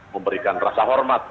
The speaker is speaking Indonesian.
memberikan rasa hormat